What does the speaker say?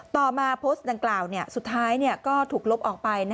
ต่อมาโพสต์ดังกล่าวสุดท้ายก็ถูกลบออกไป